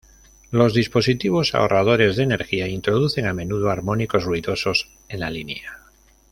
Los dispositivos ahorradores de energía introducen a menudo armónicos ruidosos en la línea.